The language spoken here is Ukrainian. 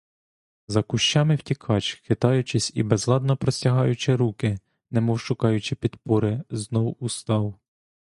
За кущами втікач, хитаючись і безладно простягаючи руки, немов шукаючи підпори, знов устав.